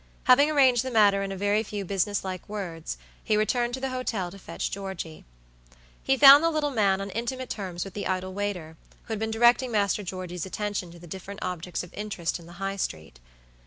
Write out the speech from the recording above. Having arranged the matter in a very few business like words, he returned to the hotel to fetch Georgey. He found the little man on intimate terms with the idle waiter, who had been directing Master Georgey's attention to the different objects of interest in the High street.